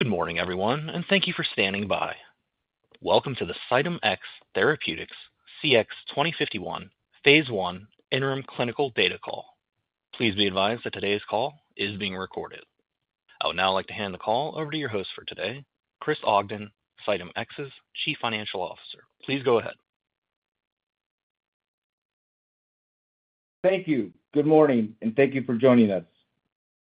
Good morning, everyone, and thank you for standing by. Welcome to the CytomX Therapeutics CX-2051 phase I interim clinical data call. Please be advised that today's call is being recorded. I would now like to hand the call over to your host for today, Chris Ogden, CytomX's Chief Financial Officer. Please go ahead. Thank you. Good morning, and thank you for joining us.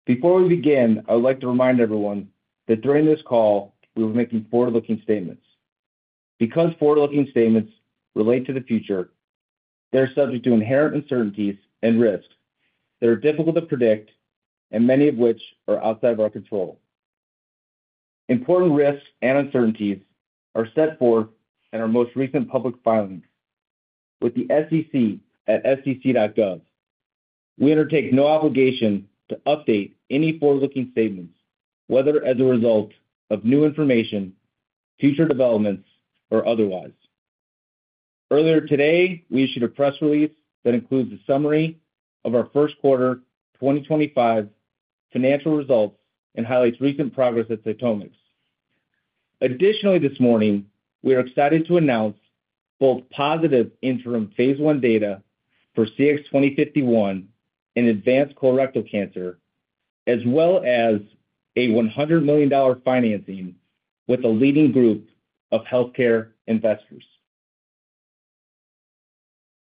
Before we begin, I would like to remind everyone that during this call, we will be making forward-looking statements. Because forward-looking statements relate to the future, they're subject to inherent uncertainties and risks that are difficult to predict, and many of which are outside of our control. Important risks and uncertainties are set forth in our most recent public filings with the SEC at sec.gov. We undertake no obligation to update any forward-looking statements, whether as a result of new information, future developments, or otherwise. Earlier today, we issued a press release that includes a summary of our first quarter 2025 financial results and highlights recent progress at CytomX. Additionally, this morning, we are excited to announce both positive interim phase 1 data for CX-2051 in advanced colorectal cancer, as well as a $100 million financing with a leading group of healthcare investors.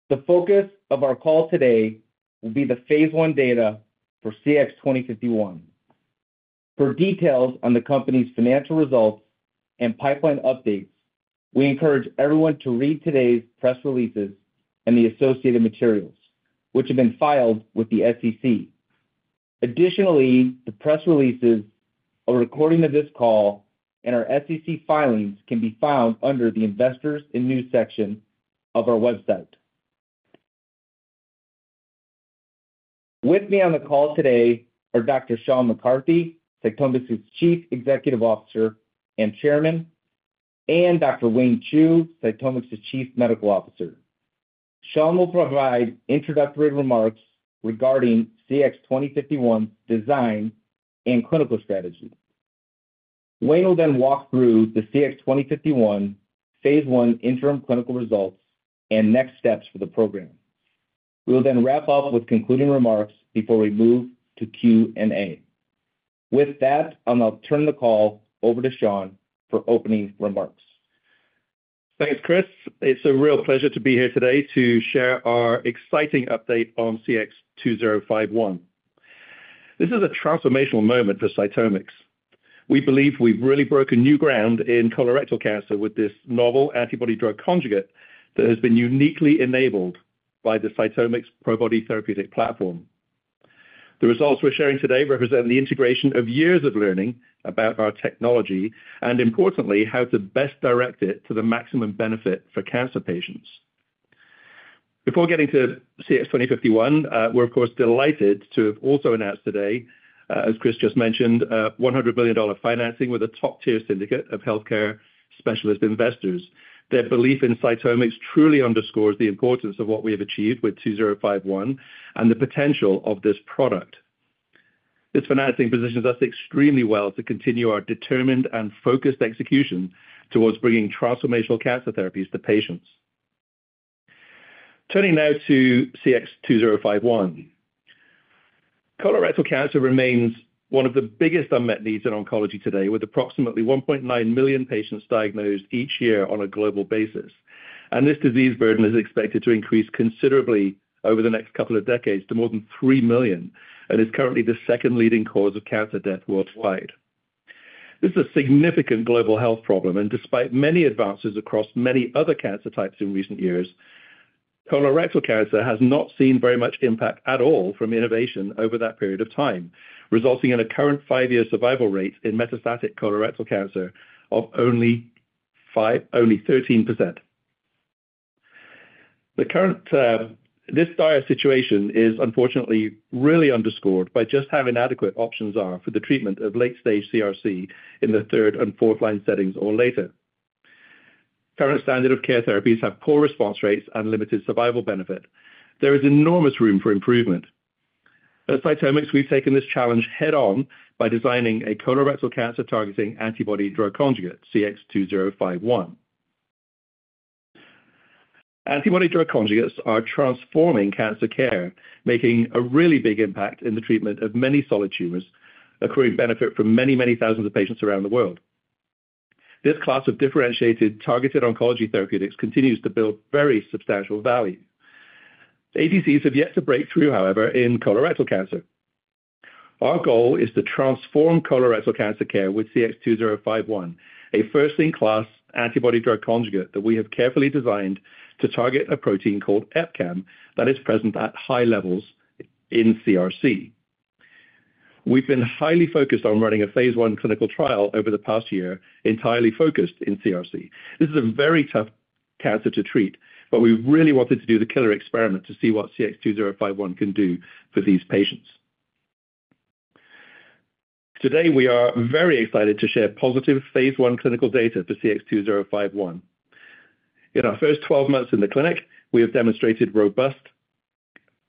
The focus of our call today will be the phase 1 data for CX-2051. For details on the company's financial results and pipeline updates, we encourage everyone to read today's press releases and the associated materials, which have been filed with the SEC. Additionally, the press releases, a recording of this call, and our SEC filings can be found under the Investors and News section of our website. With me on the call today are Dr. Sean McCarthy, CytomX's Chief Executive Officer and Chairman, and Dr. Wayne Chu, CytomX's Chief Medical Officer. Sean will provide introductory remarks regarding CX-2051's design and clinical strategy. Wayne will then walk through the CX-2051 phase I interim clinical results and next steps for the program. We will then wrap up with concluding remarks before we move to Q&A. With that, I'll now turn the call over to Sean for opening remarks. Thanks, Chris. It's a real pleasure to be here today to share our exciting update on CX-2051. This is a transformational moment for CytomX. We believe we've really broken new ground in colorectal cancer with this novel antibody-drug conjugate that has been uniquely enabled by the CytomX ProBody Therapeutic Platform. The results we're sharing today represent the integration of years of learning about our technology and, importantly, how to best direct it to the maximum benefit for cancer patients. Before getting to CX-2051, we're, of course, delighted to have also announced today, as Chris just mentioned, $100 million financing with a top-tier syndicate of healthcare specialist investors. Their belief in CytomX truly underscores the importance of what we have achieved with 2051 and the potential of this product. This financing positions us extremely well to continue our determined and focused execution towards bringing transformational cancer therapies to patients. Turning now to CX-2051, colorectal cancer remains one of the biggest unmet needs in oncology today, with approximately 1.9 million patients diagnosed each year on a global basis. This disease burden is expected to increase considerably over the next couple of decades to more than 3 million and is currently the second leading cause of cancer death worldwide. This is a significant global health problem. Despite many advances across many other cancer types in recent years, colorectal cancer has not seen very much impact at all from innovation over that period of time, resulting in a current five-year survival rate in metastatic colorectal cancer of only 13%. This dire situation is, unfortunately, really underscored by just how inadequate options are for the treatment of late-stage CRC in the third and fourth-line settings or later. Current standard of care therapies have poor response rates and limited survival benefit. There is enormous room for improvement. At CytomX, we've taken this challenge head-on by designing a colorectal cancer-targeting antibody-drug conjugate, CX-2051. Antibody-drug conjugates are transforming cancer care, making a really big impact in the treatment of many solid tumors accruing benefit for many, many thousands of patients around the world. This class of differentiated targeted oncology therapeutics continues to build very substantial value. ADCs have yet to break through, however, in colorectal cancer. Our goal is to transform colorectal cancer care with CX-2051, a first-in-class antibody-drug conjugate that we have carefully designed to target a protein called EpCAM that is present at high levels in CRC. We've been highly focused on running a Phase I clinical trial over the past year entirely focused in CRC. This is a very tough cancer to treat, but we really wanted to do the killer experiment to see what CX-2051 can do for these patients. Today, we are very excited to share positive phase I clinical data for CX-2051. In our first 12 months in the clinic, we have demonstrated robust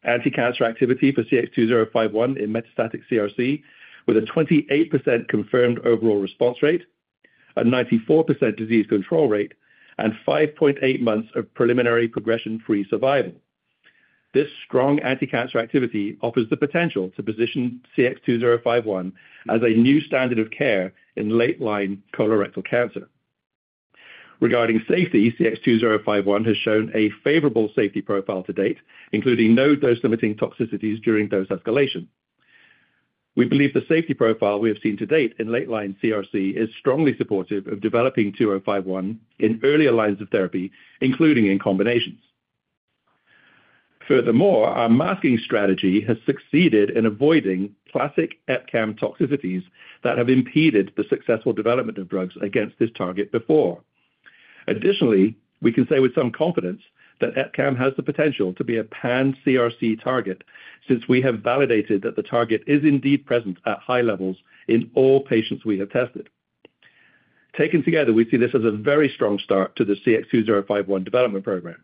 anti-cancer activity for CX-2051 in metastatic CRC with a 28% confirmed overall response rate, a 94% disease control rate, and 5.8 months of preliminary progression-free survival. This strong anti-cancer activity offers the potential to position CX-2051 as a new standard of care in late-line colorectal cancer. Regarding safety, CX-2051 has shown a favorable safety profile to date, including no dose-limiting toxicities during dose escalation. We believe the safety profile we have seen to date in late-line CRC is strongly supportive of developing 2051 in earlier lines of therapy, including in combinations. Furthermore, our masking strategy has succeeded in avoiding classic EpCAM toxicities that have impeded the successful development of drugs against this target before. Additionally, we can say with some confidence that EpCAM has the potential to be a pan-CRC target since we have validated that the target is indeed present at high levels in all patients we have tested. Taken together, we see this as a very strong start to the CX-2051 development program.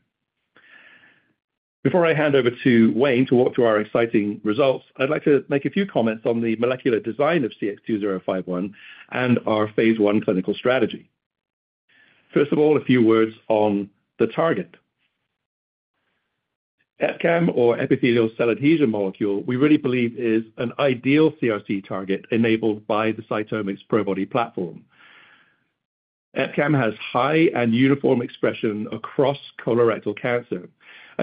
Before I hand over to Wayne to walk through our exciting results, I'd like to make a few comments on the molecular design of CX-2051 and our phase I clinical strategy. First of all, a few words on the target. EpCAM, or epithelial cell adhesion molecule, we really believe is an ideal CRC target enabled by the CytomX ProBody Therapeutic Platform. EpCAM has high and uniform expression across colorectal cancer.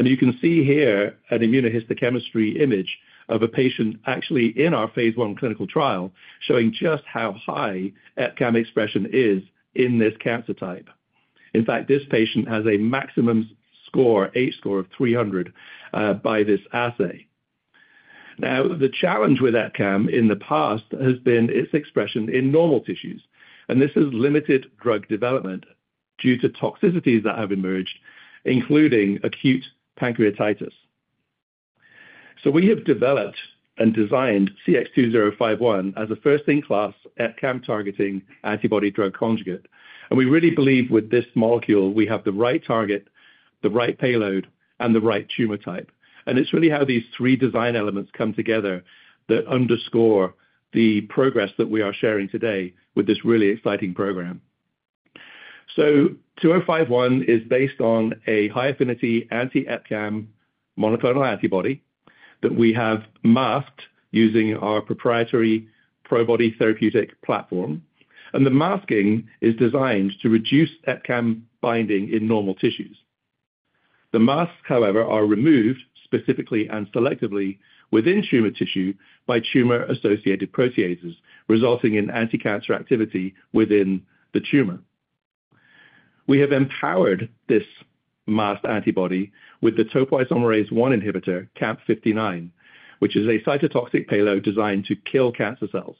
You can see here an immunohistochemistry image of a patient actually in our phase I clinical trial showing just how high EpCAM expression is in this cancer type. In fact, this patient has a maximum score, H score of 300, by this assay. The challenge with EpCAM in the past has been its expression in normal tissues, and this has limited drug development due to toxicities that have emerged, including acute pancreatitis. We have developed and designed CX-2051 as a first-in-class EpCAM-targeting antibody-drug conjugate. We really believe with this molecule, we have the right target, the right payload, and the right tumor type. It is really how these three design elements come together that underscore the progress that we are sharing today with this really exciting program. CX-2051 is based on a high-affinity anti-EpCAM monoclonal antibody that we have masked using our proprietary ProBody Therapeutic Platform. The masking is designed to reduce EpCAM binding in normal tissues. The masks, however, are removed specifically and selectively within tumor tissue by tumor-associated proteases, resulting in anti-cancer activity within the tumor. We have empowered this masked antibody with the topoisomerase-1 inhibitor, which is a cytotoxic payload designed to kill cancer cells.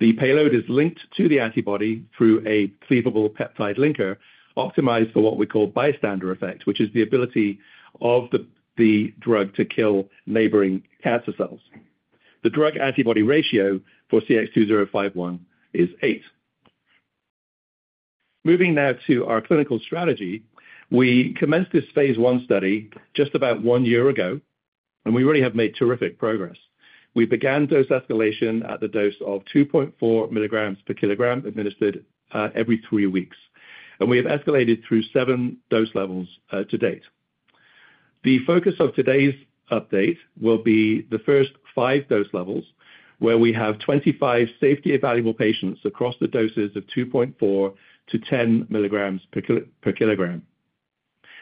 The payload is linked to the antibody through a cleavable peptide linker optimized for what we call bystander effect, which is the ability of the drug to kill neighboring cancer cells. The drug-antibody ratio for CX-2051 is 8. Moving now to our clinical strategy, we commenced this phase I study just about one year ago, and we really have made terrific progress. We began dose escalation at the dose of 2.4 mg per kg administered every three weeks. We have escalated through seven dose levels to date. The focus of today's update will be the first five dose levels, where we have 25 safety-available patients across the doses of 2.4-10 mg per kg.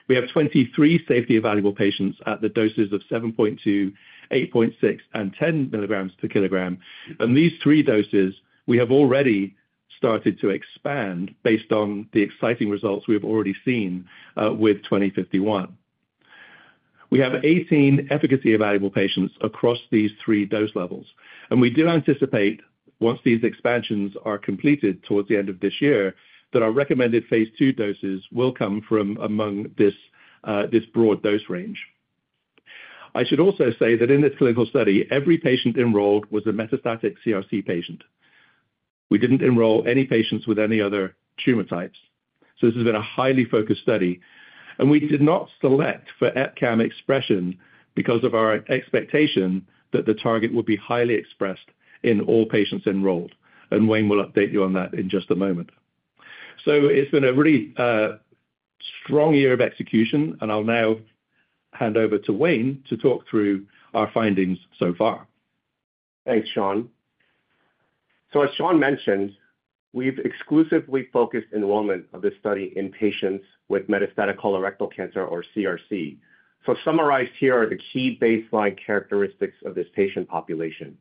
We have 23 safety-available patients at the doses of 7.2, 8.6, and 10 mg per kg. At these three doses, we have already started to expand based on the exciting results we have already seen with 2051. We have 18 efficacy-available patients across these three dose levels. We do anticipate, once these expansions are completed towards the end of this year, that our recommended phase 2 doses will come from among this broad dose range. I should also say that in this clinical study, every patient enrolled was a metastatic CRC patient. We did not enroll any patients with any other tumor types. This has been a highly focused study. We did not select for EpCAM expression because of our expectation that the target would be highly expressed in all patients enrolled. Wayne will update you on that in just a moment. It has been a really strong year of execution. I will now hand over to Wayne to talk through our findings so far. Thanks, Sean. As Sean mentioned, we've exclusively focused enrollment of this study in patients with metastatic colorectal cancer, or CRC. Summarized here are the key baseline characteristics of this patient population.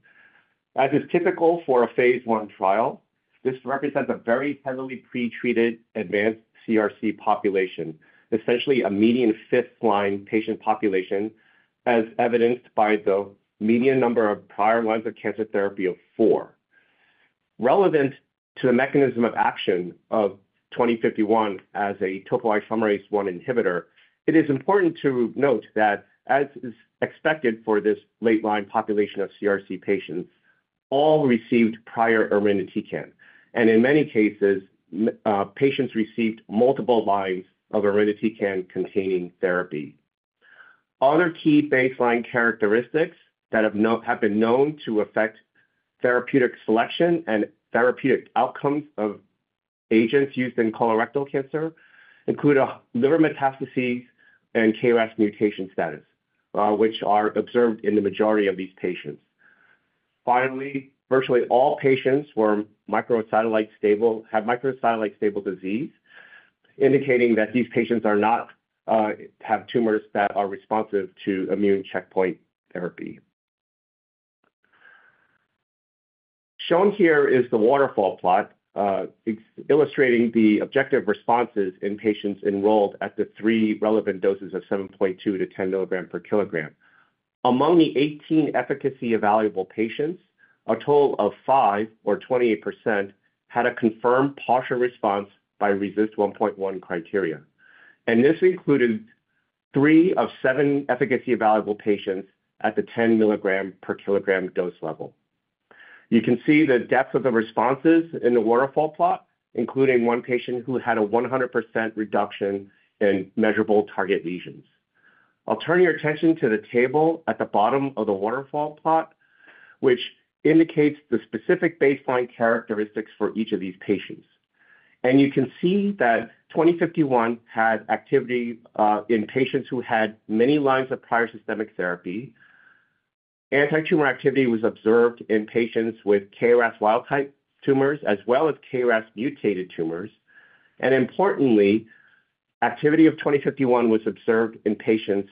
As is typical for a Phase 1 trial, this represents a very heavily pretreated advanced CRC population, essentially a median fifth-line patient population, as evidenced by the median number of prior lines of cancer therapy of four. Relevant to the mechanism of action of 2051 as a topoisomerase-1 inhibitor, it is important to note that, as is expected for this late-line population of CRC patients, all received prior irinotecan and, in many cases, patients received multiple lines of irinotecan-containing therapy. Other key baseline characteristics that have been known to affect therapeutic selection and therapeutic outcomes of agents used in colorectal cancer include liver metastases and KRAS mutation status, which are observed in the majority of these patients. Finally, virtually all patients were microsatellite stable, have microsatellite stable disease, indicating that these patients do not have tumors that are responsive to immune checkpoint therapy. Shown here is the waterfall plot illustrating the objective responses in patients enrolled at the three relevant doses of 7.2-10 milligrams per kilogram. Among the 18 efficacy-available patients, a total of 5, or 28%, had a confirmed partial response by RECIST v1.1 criteria. This included three of seven efficacy-available patients at the 10 milligrams per kilogram dose level. You can see the depth of the responses in the waterfall plot, including one patient who had a 100% reduction in measurable target lesions. I'll turn your attention to the table at the bottom of the waterfall plot, which indicates the specific baseline characteristics for each of these patients. You can see that 2051 had activity in patients who had many lines of prior systemic therapy. Anti-tumor activity was observed in patients with KRAS wild-type tumors as well as KRAS mutated tumors. Importantly, activity of 2051 was observed in patients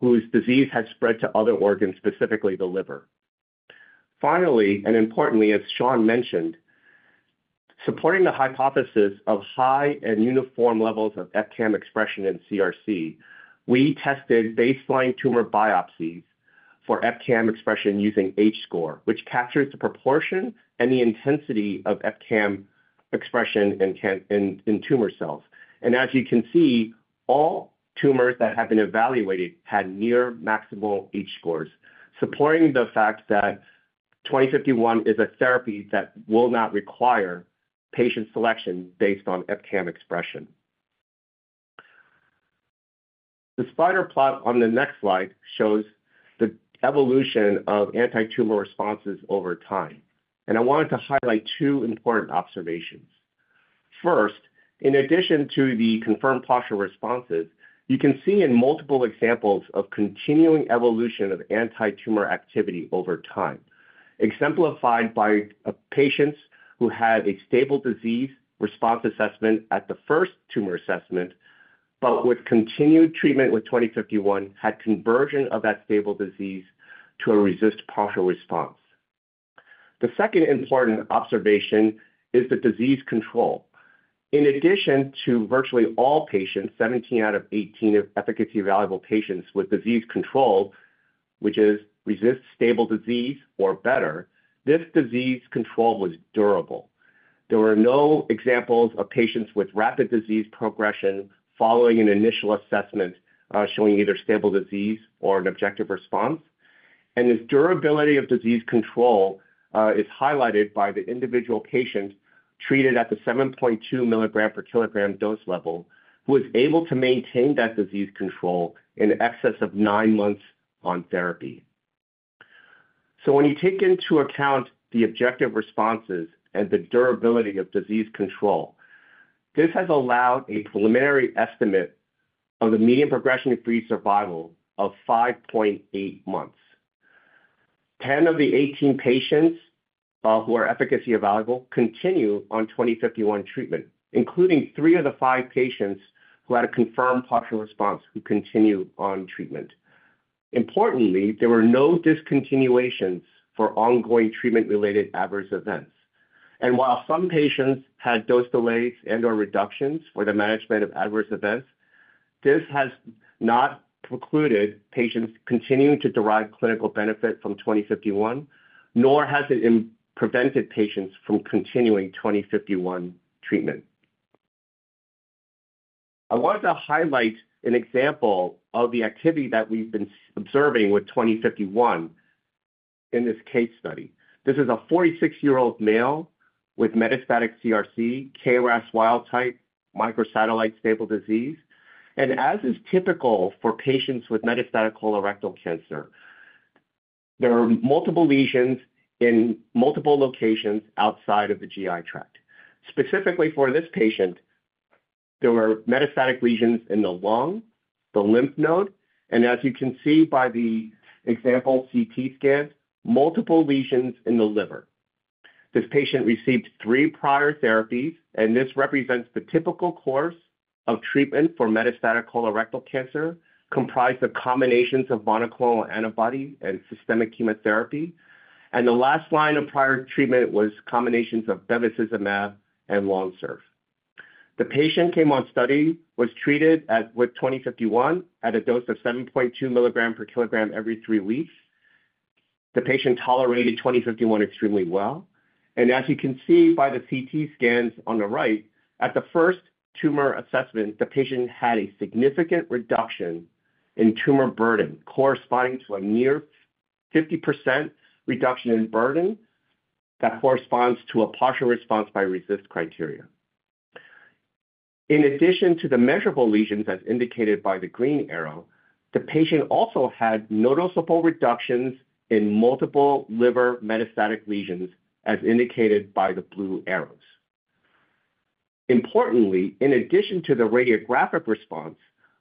whose disease had spread to other organs, specifically the liver. Finally, and importantly, as Sean mentioned, supporting the hypothesis of high and uniform levels of EpCAM expression in CRC, we tested baseline tumor biopsies for EpCAM expression using H score, which captures the proportion and the intensity of EpCAM expression in tumor cells. As you can see, all tumors that have been evaluated had near-maximal H scores, supporting the fact that 2051 is a therapy that will not require patient selection based on EpCAM expression. The spider plot on the next slide shows the evolution of anti-tumor responses over time. I wanted to highlight two important observations. First, in addition to the confirmed partial responses, you can see multiple examples of continuing evolution of anti-tumor activity over time, exemplified by patients who had a stable disease response assessment at the first tumor assessment, but with continued treatment with 2051 had conversion of that stable disease to a RECIST partial response. The second important observation is the disease control. In addition to virtually all patients, 17 out of 18 efficacy-available patients with disease control, which is RECIST stable disease or better, this disease control was durable. There were no examples of patients with rapid disease progression following an initial assessment showing either stable disease or an objective response. This durability of disease control is highlighted by the individual patient treated at the 7.2 milligrams per kilogram dose level who was able to maintain that disease control in excess of nine months on therapy. When you take into account the objective responses and the durability of disease control, this has allowed a preliminary estimate of the median progression-free survival of 5.8 months. Ten of the 18 patients who are efficacy-available continue on 2051 treatment, including three of the five patients who had a confirmed partial response who continue on treatment. Importantly, there were no discontinuations for ongoing treatment-related adverse events. While some patients had dose delays and/or reductions for the management of adverse events, this has not precluded patients continuing to derive clinical benefit from 2051, nor has it prevented patients from continuing 2051 treatment. I wanted to highlight an example of the activity that we've been observing with 2051 in this case study. This is a 46-year-old male with metastatic CRC, KRAS wild-type microsatellite stable disease. As is typical for patients with metastatic colorectal cancer, there are multiple lesions in multiple locations outside of the GI tract. Specifically for this patient, there were metastatic lesions in the lung, the lymph node, and as you can see by the example CT scan, multiple lesions in the liver. This patient received three prior therapies, and this represents the typical course of treatment for metastatic colorectal cancer, comprised of combinations of monoclonal antibody and systemic chemotherapy. The last line of prior treatment was combinations of bevacizumab and lonsurf. The patient came on study, was treated with 2051 at a dose of 7.2 mg per kg every three weeks. The patient tolerated 2051 extremely well. As you can see by the CT scans on the right, at the first tumor assessment, the patient had a significant reduction in tumor burden, corresponding to a near 50% reduction in burden that corresponds to a partial response by RECIST criteria. In addition to the measurable lesions as indicated by the green arrow, the patient also had noticeable reductions in multiple liver metastatic lesions as indicated by the blue arrows. Importantly, in addition to the radiographic response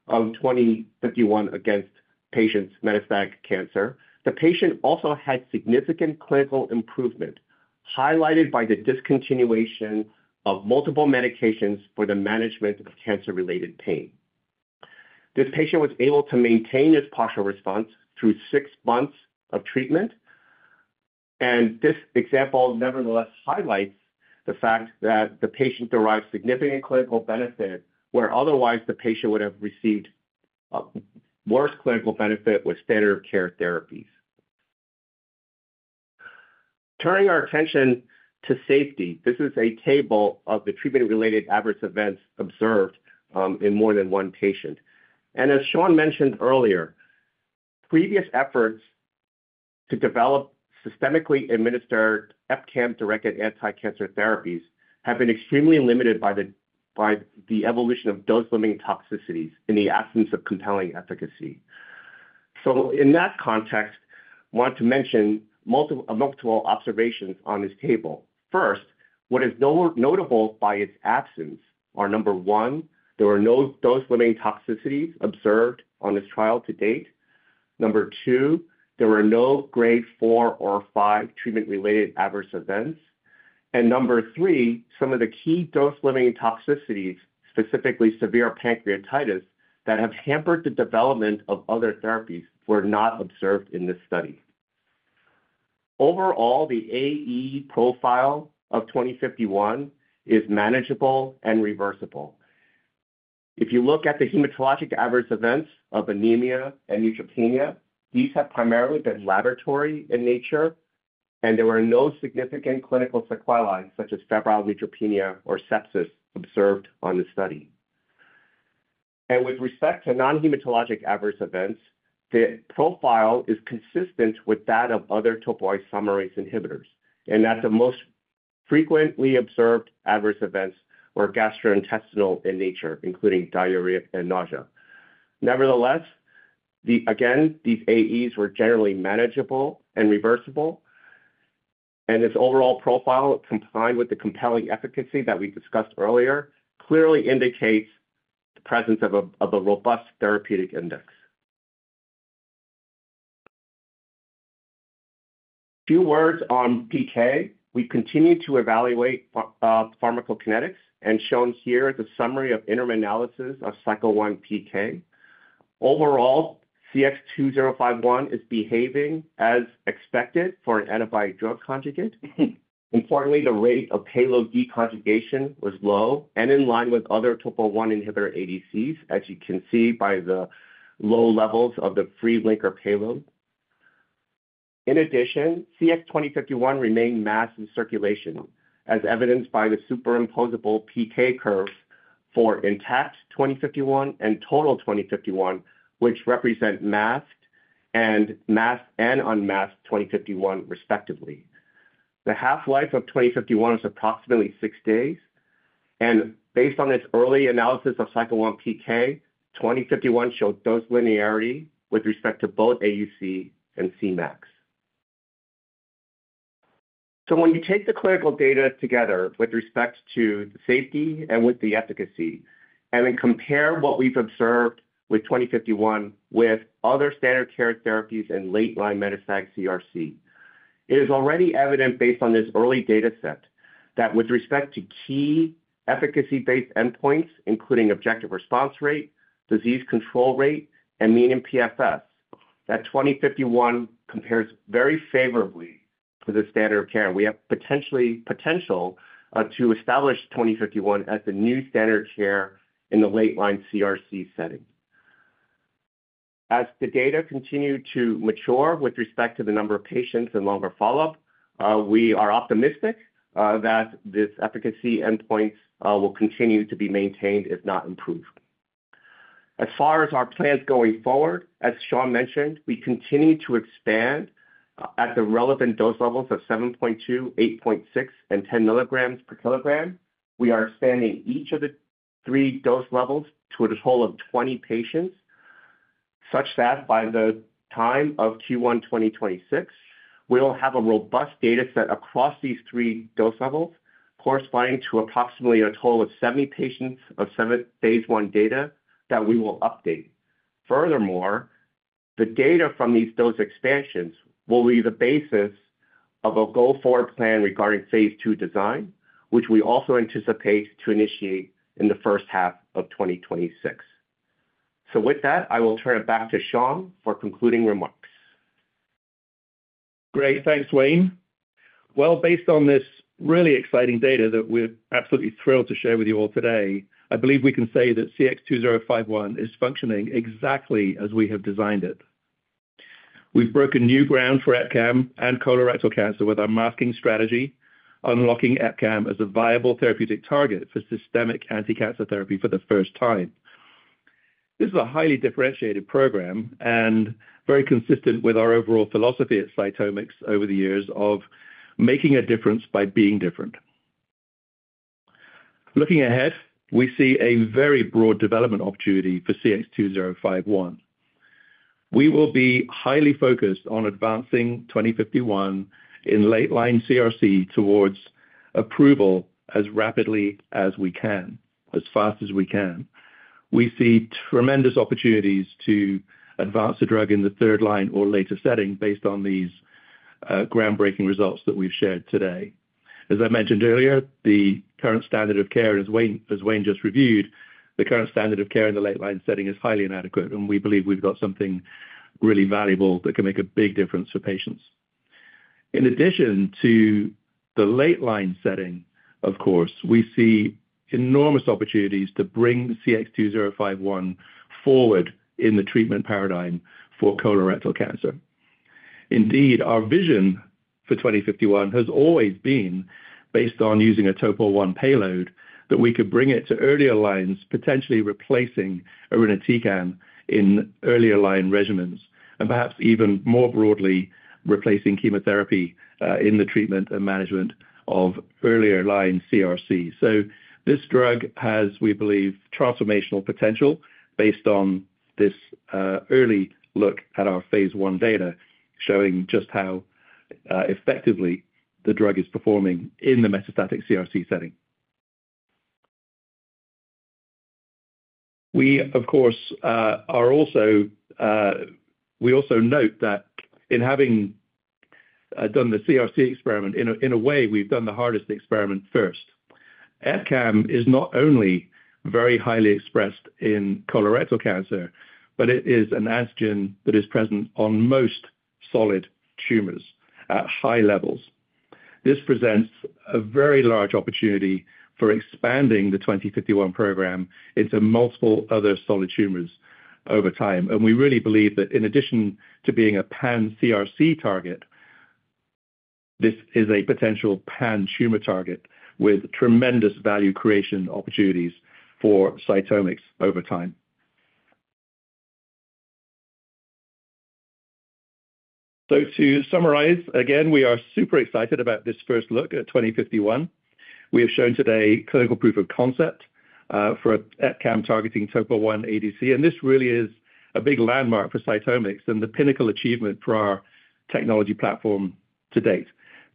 of 2051 against the patient's metastatic cancer, the patient also had significant clinical improvement highlighted by the discontinuation of multiple medications for the management of cancer-related pain. This patient was able to maintain his partial response through six months of treatment. This example nevertheless highlights the fact that the patient derived significant clinical benefit where otherwise the patient would have received worse clinical benefit with standard of care therapies. Turning our attention to safety, this is a table of the treatment-related adverse events observed in more than one patient. As Sean mentioned earlier, previous efforts to develop systemically administered EpCAM-directed anti-cancer therapies have been extremely limited by the evolution of dose-limiting toxicities in the absence of compelling efficacy. In that context, I want to mention multiple observations on this table. First, what is notable by its absence are, number one, there were no dose-limiting toxicities observed on this trial to date. Number two, there were no Grade 4 or 5 treatment-related adverse events. Number three, some of the key dose-limiting toxicities, specifically severe pancreatitis, that have hampered the development of other therapies were not observed in this study. Overall, the AE profile of 2051 is manageable and reversible. If you look at the hematologic adverse events of anemia and neutropenia, these have primarily been laboratory in nature, and there were no significant clinical sequelae such as febrile neutropenia or sepsis observed on the study. With respect to non-hematologic adverse events, the profile is consistent with that of other topoisomerase inhibitors. The most frequently observed adverse events were gastrointestinal in nature, including diarrhea and nausea. Nevertheless, again, these AEs were generally manageable and reversible. This overall profile, compliant with the compelling efficacy that we discussed earlier, clearly indicates the presence of a robust therapeutic index. Few words on PK. We continue to evaluate pharmacokinetics, and shown here is a summary of interim analysis of cycle 1 PK. Overall, CX-2051 is behaving as expected for an antibody-drug conjugate. Importantly, the rate of payload deconjugation was low and in line with other topo I inhibitor ADCs, as you can see by the low levels of the free linker payload. In addition, CX-2051 remained masked in circulation, as evidenced by the superimposable PK curves for intact 2051 and total 2051, which represent masked and masked and unmasked 2051, respectively. The half-life of 2051 is approximately six days. Based on this early analysis of cycle 1 PK, 2051 showed dose linearity with respect to both AUC and Cmax. When you take the clinical data together with respect to the safety and with the efficacy and then compare what we've observed with 2051 with other standard care therapies in late-line metastatic CRC, it is already evident based on this early data set that with respect to key efficacy-based endpoints, including objective response rate, disease control rate, and median PFS, 2051 compares very favorably to the standard of care. We have potential to establish 2051 as the new standard of care in the late-line CRC setting. As the data continue to mature with respect to the number of patients and longer follow-up, we are optimistic that these efficacy endpoints will continue to be maintained, if not improved. As far as our plans going forward, as Sean mentioned, we continue to expand at the relevant dose levels of 7.2, 8.6, and 10 milligrams per kilogram. We are expanding each of the three dose levels to a total of 20 patients, such that by the time of Q1 2026, we will have a robust data set across these three dose levels corresponding to approximately a total of 70 patients of Phase 1 data that we will update. Furthermore, the data from these dose expansions will be the basis of a go-forward plan regarding Phase 2 design, which we also anticipate to initiate in the first half of 2026. With that, I will turn it back to Sean for concluding remarks. Great. Thanks, Wayne. Based on this really exciting data that we're absolutely thrilled to share with you all today, I believe we can say that CX-2051 is functioning exactly as we have designed it. We've broken new ground for EpCAM and colorectal cancer with our masking strategy, unlocking EpCAM as a viable therapeutic target for systemic anti-cancer therapy for the first time. This is a highly differentiated program and very consistent with our overall philosophy at CytomX over the years of making a difference by being different. Looking ahead, we see a very broad development opportunity for CX-2051. We will be highly focused on advancing 2051 in late-line CRC towards approval as rapidly as we can, as fast as we can. We see tremendous opportunities to advance a drug in the third line or later setting based on these groundbreaking results that we've shared today. As I mentioned earlier, the current standard of care, as Wayne just reviewed, the current standard of care in the late-line setting is highly inadequate. We believe we've got something really valuable that can make a big difference for patients. In addition to the late-line setting, of course, we see enormous opportunities to bring CX-2051 forward in the treatment paradigm for colorectal cancer. Indeed, our vision for 2051 has always been based on using a topo I payload that we could bring to earlier lines, potentially replacing irinotecan in earlier line regimens, and perhaps even more broadly replacing chemotherapy in the treatment and management of earlier line CRC. This drug has, we believe, transformational potential based on this early look at our phase one data showing just how effectively the drug is performing in the metastatic CRC setting. We, of course, also note that in having done the CRC experiment, in a way, we've done the hardest experiment first. EpCAM is not only very highly expressed in colorectal cancer, but it is an antigen that is present on most solid tumors at high levels. This presents a very large opportunity for expanding the 2051 program into multiple other solid tumors over time. We really believe that in addition to being a pan-CRC target, this is a potential pan-tumor target with tremendous value creation opportunities for CytomX over time. To summarize, again, we are super excited about this first look at 2051. We have shown today clinical proof of concept for EpCAM targeting topo I ADC. This really is a big landmark for CytomX and the pinnacle achievement for our technology platform to date.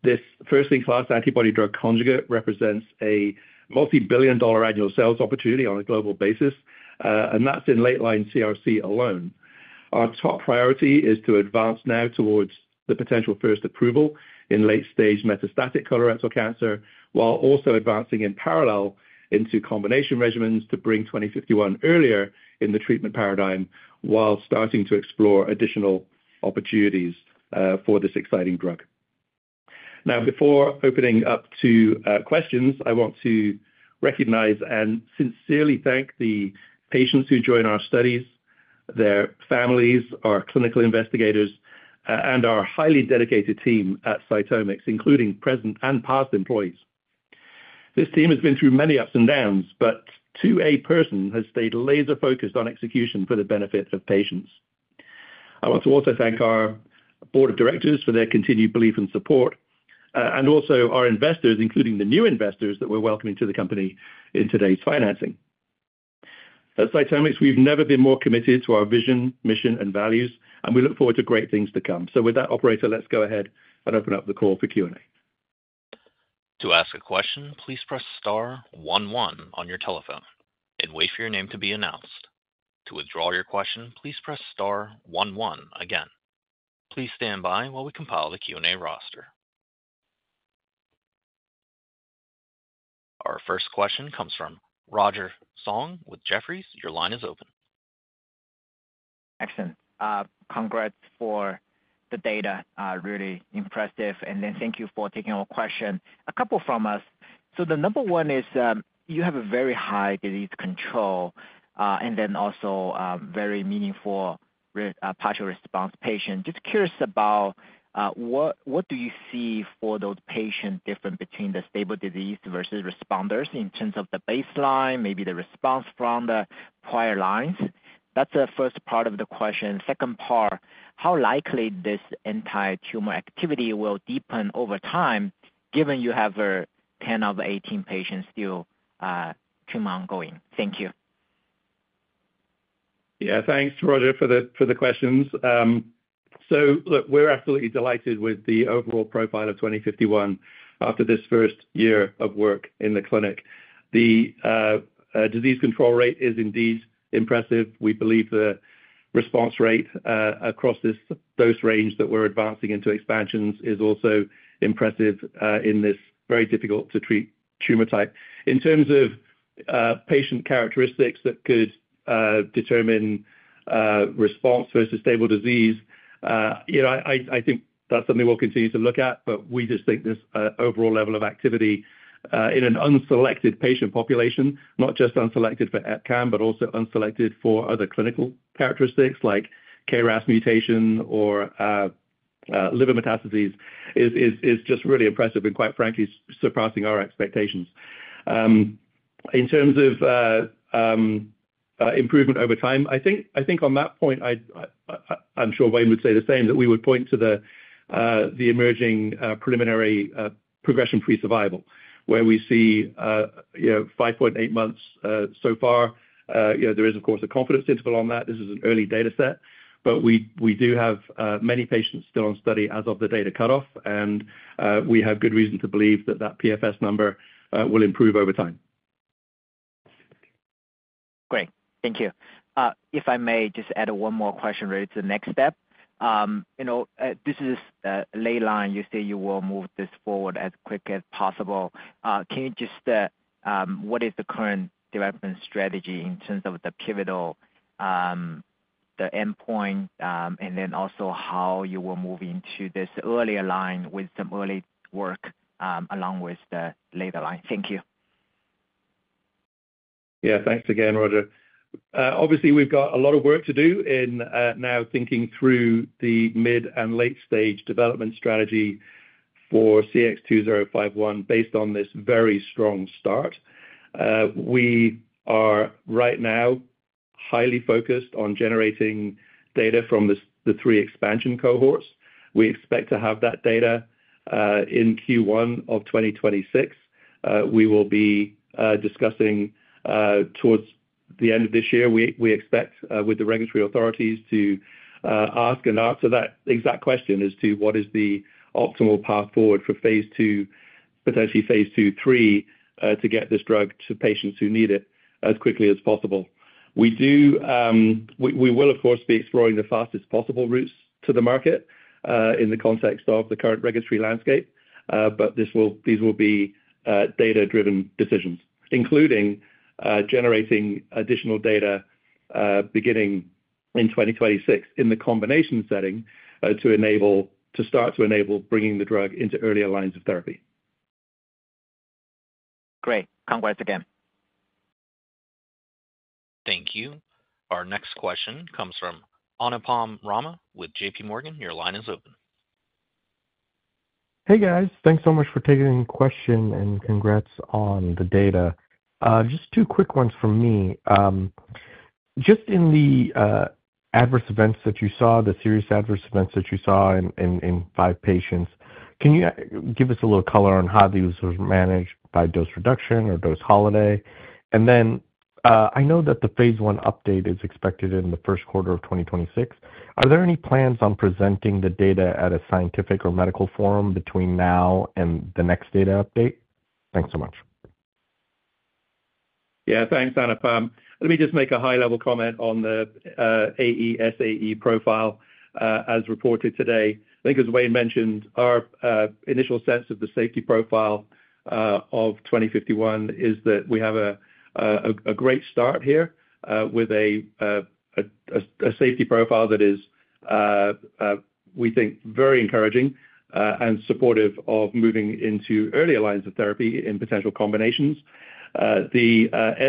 This first-in-class antibody-drug conjugate represents a multi-billion-dollar annual sales opportunity on a global basis. That's in late-line CRC alone. Our top priority is to advance now towards the potential first approval in late-stage metastatic colorectal cancer, while also advancing in parallel into combination regimens to bring 2051 earlier in the treatment paradigm while starting to explore additional opportunities for this exciting drug. Now, before opening up to questions, I want to recognize and sincerely thank the patients who join our studies, their families, our clinical investigators, and our highly dedicated team at CytomX, including present and past employees. This team has been through many ups and downs, but to a person has stayed laser-focused on execution for the benefit of patients. I want to also thank our board of directors for their continued belief and support, and also our investors, including the new investors that we're welcoming to the company in today's financing. At CytomX, we've never been more committed to our vision, mission, and values, and we look forward to great things to come. With that, operator, let's go ahead and open up the call for Q&A. To ask a question, please press star 11 on your telephone and wait for your name to be announced. To withdraw your question, please press star 11 again. Please stand by while we compile the Q&A roster. Our first question comes from Roger Song with Jefferies. Your line is open. Excellent. Congrats for the data. Really impressive. Thank you for taking our question. A couple from us. The number one is you have a very high disease control and then also very meaningful partial response patient. Just curious about what do you see for those patients different between the stable disease versus responders in terms of the baseline, maybe the response from the prior lines? That's the first part of the question. Second part, how likely this anti-tumor activity will deepen over time given you have 10 of 18 patients still tumor ongoing? Thank you. Yeah, thanks, Roger, for the questions. Look, we're absolutely delighted with the overall profile of 2051 after this first year of work in the clinic. The disease control rate is indeed impressive. We believe the response rate across this dose range that we're advancing into expansions is also impressive in this very difficult-to-treat tumor type. In terms of patient characteristics that could determine response versus stable disease, I think that's something we'll continue to look at. We just think this overall level of activity in an unselected patient population, not just unselected for EpCAM, but also unselected for other clinical characteristics like KRAS mutation or liver metastases, is just really impressive and, quite frankly, surpassing our expectations. In terms of improvement over time, I think on that point, I'm sure Wayne would say the same that we would point to the emerging preliminary progression-free survival where we see 5.8 months so far. There is, of course, a confidence interval on that. This is an early data set. We do have many patients still on study as of the data cutoff. We have good reason to believe that that PFS number will improve over time. Great. Thank you. If I may just add one more question related to the next step. This is late line. You say you will move this forward as quick as possible. Can you just what is the current development strategy in terms of the pivotal, the endpoint, and then also how you will move into this earlier line with some early work along with the later line? Thank you. Yeah, thanks again, Roger. Obviously, we've got a lot of work to do in now thinking through the mid and late-stage development strategy for CX-2051 based on this very strong start. We are right now highly focused on generating data from the three expansion cohorts. We expect to have that data in Q1 of 2026. We will be discussing towards the end of this year. We expect with the regulatory authorities to ask and answer that exact question as to what is the optimal path forward for phase two, potentially phase two, three to get this drug to patients who need it as quickly as possible. We will, of course, be exploring the fastest possible routes to the market in the context of the current regulatory landscape. These will be data-driven decisions, including generating additional data beginning in 2026 in the combination setting to start to enable bringing the drug into earlier lines of therapy. Great. Congrats again. Thank you. Our next question comes from Anupam Rama with JPMorgan. Your line is open. Hey, guys. Thanks so much for taking the question and congrats on the data. Just two quick ones from me. Just in the adverse events that you saw, the serious adverse events that you saw in five patients, can you give us a little color on how these were managed by dose reduction or dose holiday? I know that the phase one update is expected in the first quarter of 2026. Are there any plans on presenting the data at a scientific or medical forum between now and the next data update? Thanks so much. Yeah, thanks, Anupam. Let me just make a high-level comment on the AE SAE profile as reported today. I think, as Wayne mentioned, our initial sense of the safety profile of 2051 is that we have a great start here with a safety profile that is, we think, very encouraging and supportive of moving into earlier lines of therapy in potential combinations. The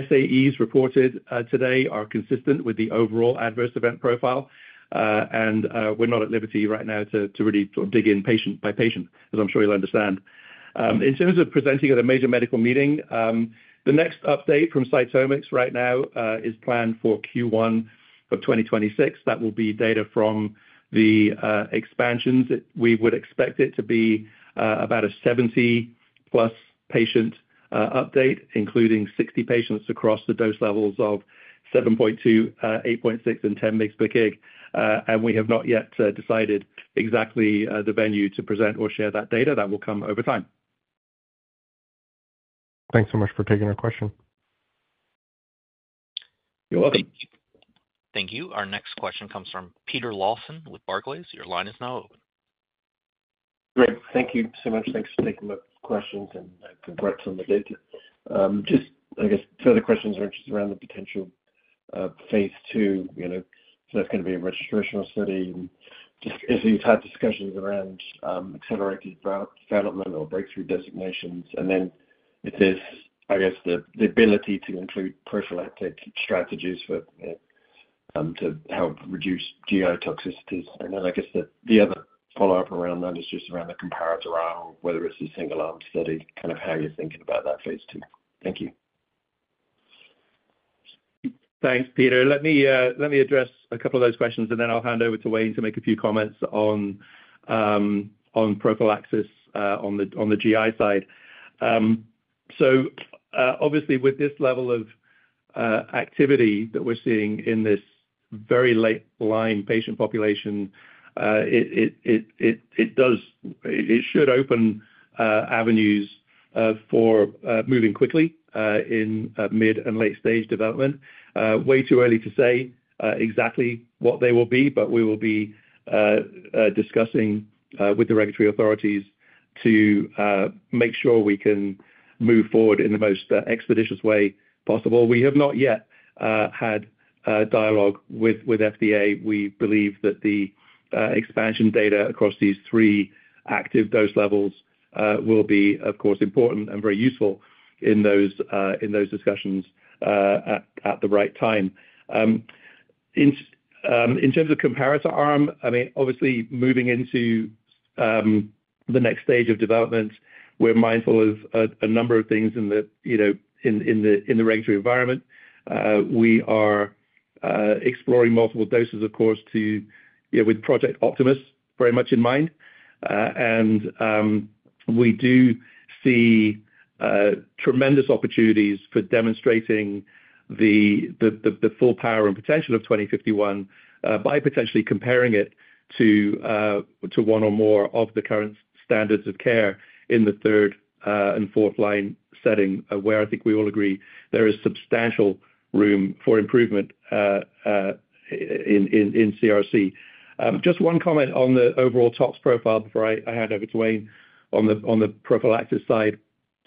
SAEs reported today are consistent with the overall adverse event profile. We're not at liberty right now to really sort of dig in patient by patient, as I'm sure you'll understand. In terms of presenting at a major medical meeting, the next update from CytomX right now is planned for Q1 of 2026. That will be data from the expansions. We would expect it to be about a 70-plus patient update, including 60 patients across the dose levels of 7.2, 8.6, and 10 mg per kg. We have not yet decided exactly the venue to present or share that data. That will come over time. Thanks so much for taking our question. You're welcome. Thank you. Our next question comes from Peter Lawson with Barclays. Your line is now open. Great. Thank you so much. Thanks for taking my questions and congrats on the data. Just, I guess, further questions are interested around the potential phase two. That's going to be a registrational study. Just if you've had discussions around accelerated development or breakthrough designations, and then if there's, I guess, the ability to include prophylactic strategies to help reduce GI toxicities. I guess the other follow-up around that is just around the comparator aisle, whether it's a single-arm study, kind of how you're thinking about that phase two. Thank you. Thanks, Peter. Let me address a couple of those questions, and then I'll hand over to Wayne to make a few comments on prophylaxis on the GI side. Obviously, with this level of activity that we're seeing in this very late-line patient population, it should open avenues for moving quickly in mid and late-stage development. Way too early to say exactly what they will be, but we will be discussing with the regulatory authorities to make sure we can move forward in the most expeditious way possible. We have not yet had dialogue with FDA. We believe that the expansion data across these three active dose levels will be, of course, important and very useful in those discussions at the right time. In terms of comparator arm, I mean, obviously, moving into the next stage of development, we're mindful of a number of things in the regulatory environment. We are exploring multiple doses, of course, with Project Optimus very much in mind. We do see tremendous opportunities for demonstrating the full power and potential of 2051 by potentially comparing it to one or more of the current standards of care in the third and fourth-line setting, where I think we all agree there is substantial room for improvement in CRC. Just one comment on the overall tox profile before I hand over to Wayne on the prophylaxis side.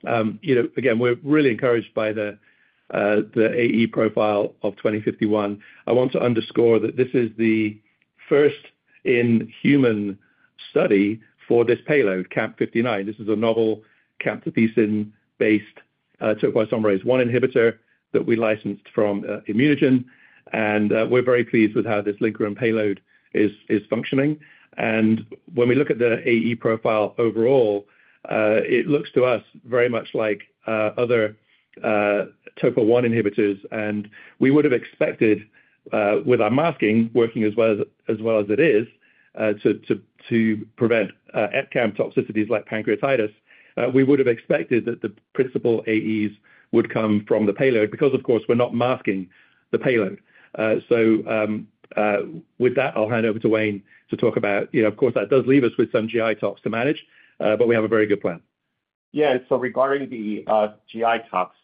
Again, we're really encouraged by the AE profile of 2051. I want to underscore that this is the first in-human study for this payload, CX-2051. This is a novel camptothecin-based topoisomerase-1 inhibitor that we licensed from ImmunoGen. We're very pleased with how this lincoln payload is functioning. When we look at the AE profile overall, it looks to us very much like other topo I inhibitors. We would have expected, with our masking working as well as it is to prevent EpCAM toxicities like pancreatitis, we would have expected that the principal AEs would come from the payload because, of course, we're not masking the payload. With that, I'll hand over to Wayne to talk about, of course, that does leave us with some GI tox to manage, but we have a very good plan. Yeah. Regarding the GI tox,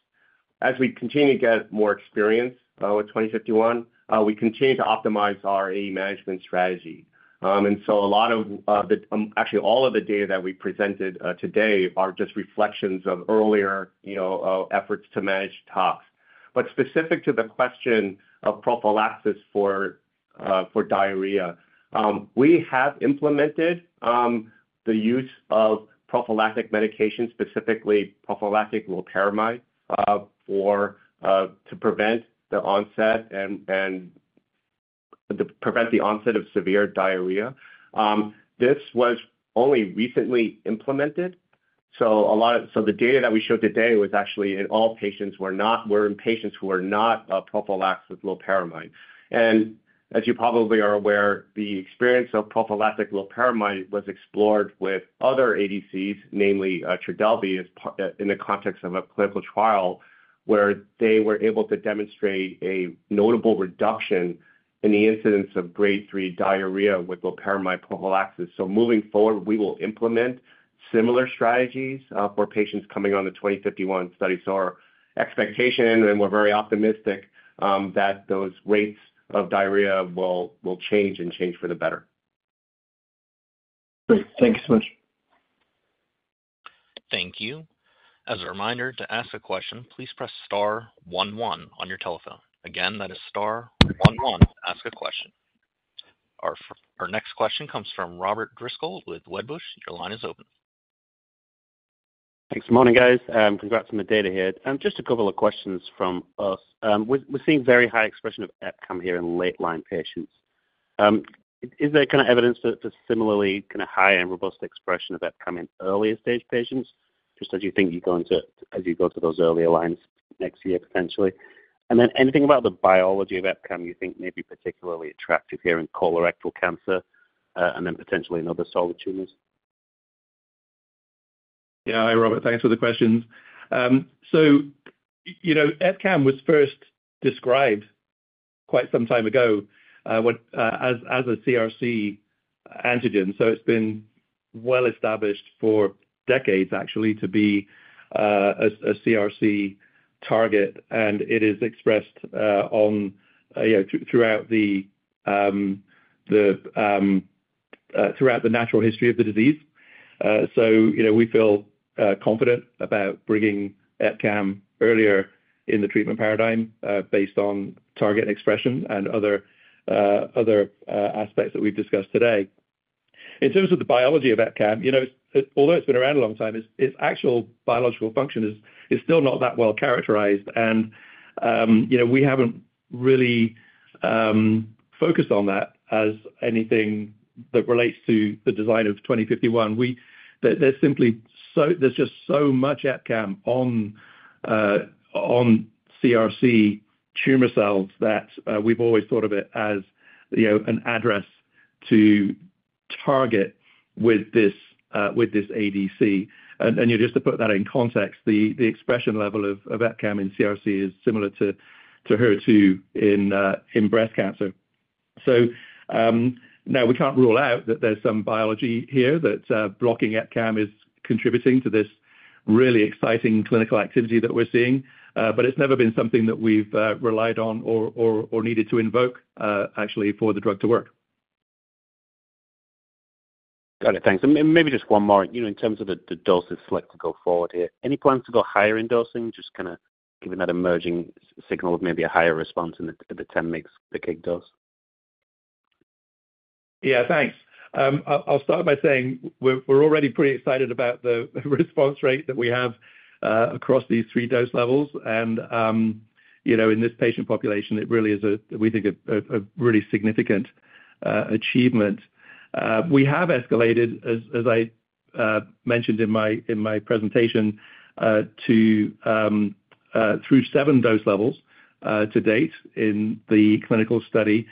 as we continue to get more experience with 2051, we continue to optimize our AE management strategy. A lot of the, actually, all of the data that we presented today are just reflections of earlier efforts to manage tox. Specific to the question of prophylaxis for diarrhea, we have implemented the use of prophylactic medication, specifically prophylactic loperamide to prevent the onset and prevent the onset of severe diarrhea. This was only recently implemented. The data that we showed today was actually in all patients who were not prophylaxed with loperamide. As you probably are aware, the experience of prophylactic loperamide was explored with other ADCs, namely Trodelvy in the context of a clinical trial where they were able to demonstrate a notable reduction in the incidence of Grade 3 diarrhea with loperamide prophylaxis. Moving forward, we will implement similar strategies for patients coming on the 2051 study. Our expectation, and we are very optimistic, is that those rates of diarrhea will change and change for the better. Great. Thank you so much. Thank you. As a reminder, to ask a question, please press star 11 on your telephone. Again, that is star 11 to ask a question. Our next question comes from Robert Driscoll with Wedbush. Your line is open. Thanks for the morning, guys. Congrats on the data here. Just a couple of questions from us. We're seeing very high expression of EpCAM here in late-line patients. Is there kind of evidence for similarly kind of high and robust expression of EpCAM in earlier-stage patients, just as you think you go into as you go to those earlier lines next year, potentially? Then anything about the biology of EpCAM you think may be particularly attractive here in colorectal cancer and then potentially in other solid tumors? Yeah. Hi, Robert. Thanks for the questions. EpCAM was first described quite some time ago as a CRC antigen. It has been well established for decades, actually, to be a CRC target. It is expressed throughout the natural history of the disease. We feel confident about bringing EpCAM earlier in the treatment paradigm based on target expression and other aspects that we've discussed today. In terms of the biology of EpCAM, although it's been around a long time, its actual biological function is still not that well characterized. We haven't really focused on that as anything that relates to the design of 2051. There's just so much EpCAM on CRC tumor cells that we've always thought of it as an address to target with this ADC. Just to put that in context, the expression level of EpCAM in CRC is similar to HER2 in breast cancer. We can't rule out that there's some biology here that blocking EpCAM is contributing to this really exciting clinical activity that we're seeing. But it's never been something that we've relied on or needed to invoke, actually, for the drug to work. Got it. Thanks. Maybe just one more in terms of the dose of select to go forward here. Any plans to go higher in dosing, just kind of giving that emerging signal of maybe a higher response in the 10 mg per kg dose? Yeah, thanks. I'll start by saying we're already pretty excited about the response rate that we have across these three dose levels. In this patient population, it really is, we think, a really significant achievement. We have escalated, as I mentioned in my presentation, through seven dose levels to date in the clinical study.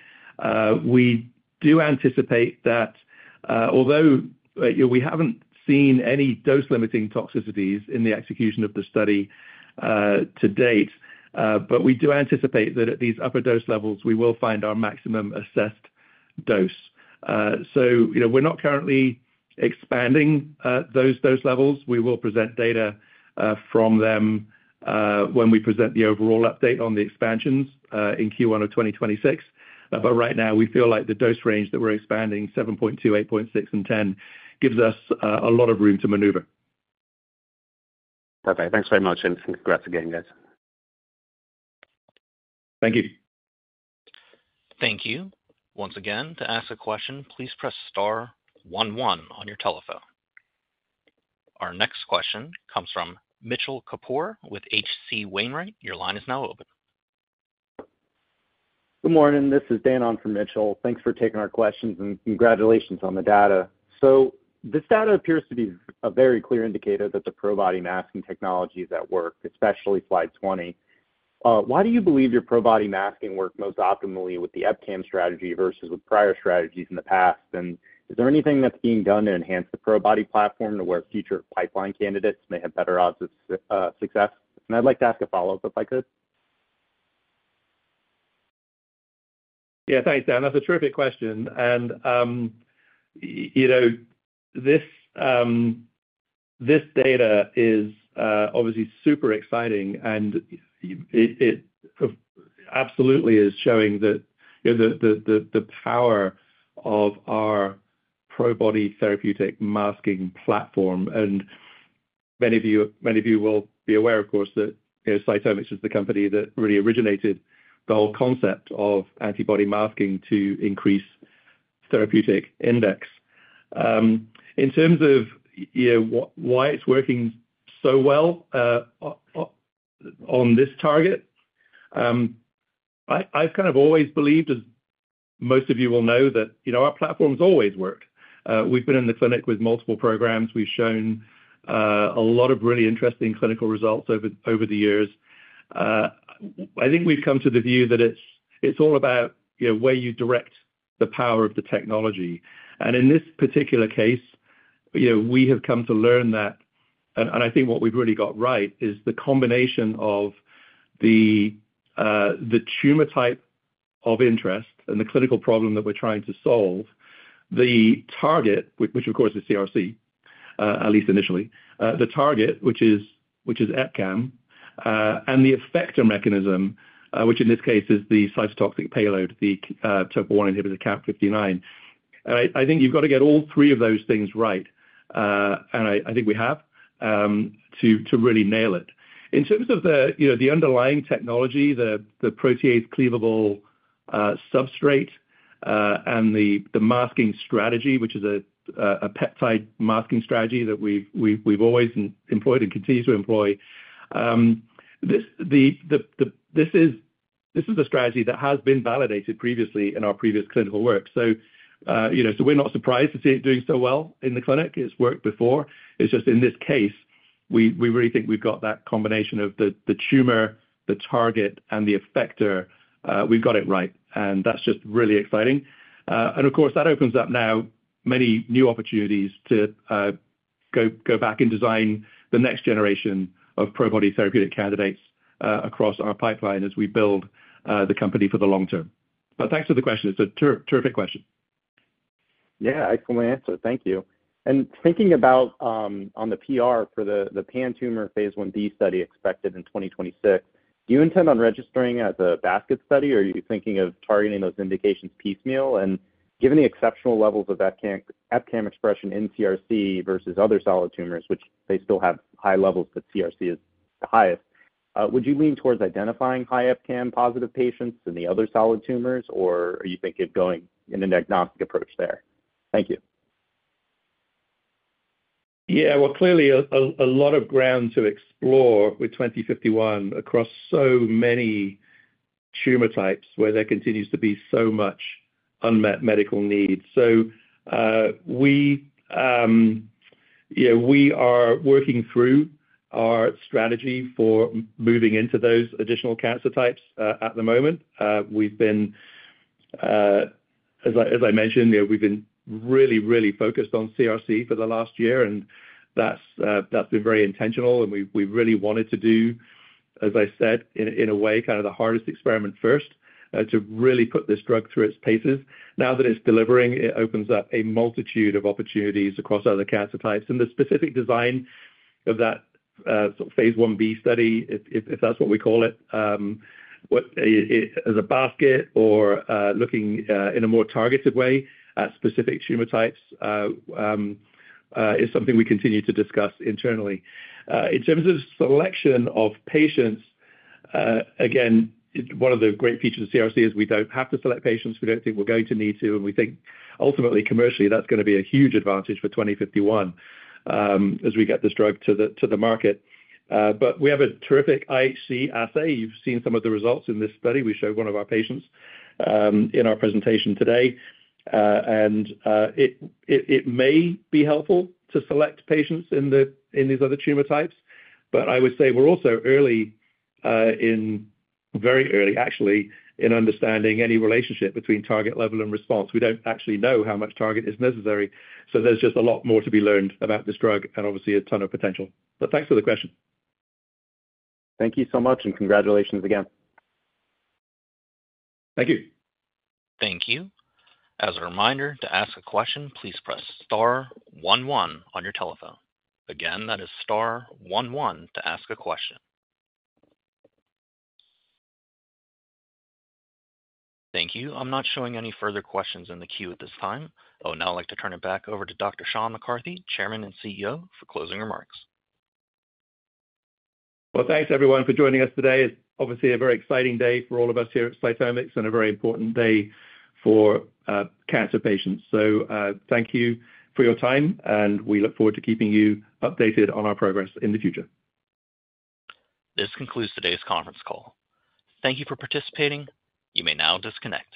We do anticipate that, although we haven't seen any dose-limiting toxicities in the execution of the study to date, we do anticipate that at these upper dose levels, we will find our maximum assessed dose. We are not currently expanding those dose levels. We will present data from them when we present the overall update on the expansions in Q1 of 2026. Right now, we feel like the dose range that we're expanding, 7.2, 8.6, and 10, gives us a lot of room to maneuver. Perfect. Thanks very much. Congrats again, guys. Thank you. Thank you. Once again, to ask a question, please press star 11 on your telephone. Our next question comes from Mitchell Kapoor with HC Wainwright. Your line is now open. Good morning. This is Danon from Mitchell. Thanks for taking our questions and congratulations on the data. This data appears to be a very clear indicator that the pro-body masking technology is at work, especially slide 20. Why do you believe your pro-body masking worked most optimally with the EpCAM strategy versus with prior strategies in the past? Is there anything that's being done to enhance the pro-body platform to where future pipeline candidates may have better odds of success? I'd like to ask a follow-up if I could. Yeah. Thanks, Dan. That's a terrific question. This data is obviously super exciting. It absolutely is showing the power of our pro-body therapeutic masking platform. Many of you will be aware, of course, that CytomX is the company that really originated the whole concept of antibody masking to increase therapeutic index. In terms of why it's working so well on this target, I've kind of always believed, as most of you will know, that our platform has always worked. We've been in the clinic with multiple programs. We've shown a lot of really interesting clinical results over the years. I think we've come to the view that it's all about where you direct the power of the technology. In this particular case, we have come to learn that. I think what we've really got right is the combination of the tumor type of interest and the clinical problem that we're trying to solve, the target, which, of course, is CRC, at least initially, the target, which is EpCAM, and the effector mechanism, which in this case is the cytotoxic payload, the topo I inhibitor CX-2051. I think you've got to get all three of those things right. I think we have to really nail it. In terms of the underlying technology, the protease cleavable substrate and the masking strategy, which is a peptide masking strategy that we've always employed and continue to employ, this is a strategy that has been validated previously in our previous clinical work. We're not surprised to see it doing so well in the clinic. It's worked before. In this case, we really think we've got that combination of the tumor, the target, and the effector. We've got it right. That's just really exciting. Of course, that opens up now many new opportunities to go back and design the next generation of pro-body therapeutic candidates across our pipeline as we build the company for the long term. Thanks for the question. It's a terrific question. Yeah. Excellent answer. Thank you. Thinking about on the PR for the pan-tumor phase 1D study expected in 2026, do you intend on registering as a basket study, or are you thinking of targeting those indications piecemeal? Given the exceptional levels of EpCAM expression in CRC versus other solid tumors, which still have high levels, but CRC is the highest, would you lean towards identifying high EpCAM positive patients in the other solid tumors, or are you thinking of going in an agnostic approach there? Thank you. Yeah. Clearly, a lot of ground to explore with 2051 across so many tumor types where there continues to be so much unmet medical need. We are working through our strategy for moving into those additional cancer types at the moment. As I mentioned, we've been really, really focused on CRC for the last year. That has been very intentional. We really wanted to do, as I said, in a way, kind of the hardest experiment first to really put this drug through its paces. Now that it's delivering, it opens up a multitude of opportunities across other cancer types. The specific design of that phase 1B study, if that's what we call it, as a basket or looking in a more targeted way at specific tumor types, is something we continue to discuss internally. In terms of selection of patients, again, one of the great features of CRC is we do not have to select patients. We do not think we are going to need to. We think, ultimately, commercially, that is going to be a huge advantage for 2051 as we get this drug to the market. We have a terrific IHC assay. You have seen some of the results in this study. We showed one of our patients in our presentation today. It may be helpful to select patients in these other tumor types. I would say we're also very early, actually, in understanding any relationship between target level and response. We don't actually know how much target is necessary. There's just a lot more to be learned about this drug and, obviously, a ton of potential. Thanks for the question. Thank you so much. Congratulations again. Thank you. Thank you. As a reminder, to ask a question, please press star 11 on your telephone. Again, that is star 11 to ask a question. Thank you. I'm not showing any further questions in the queue at this time. Now I'd like to turn it back over to Dr. Sean McCarthy, Chairman and CEO, for closing remarks. Thanks, everyone, for joining us today. It's obviously a very exciting day for all of us here at CytomX and a very important day for cancer patients. Thank you for your time. We look forward to keeping you updated on our progress in the future. This concludes today's conference call. Thank you for participating. You may now disconnect.